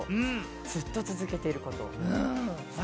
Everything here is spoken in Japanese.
ずっと続けてること？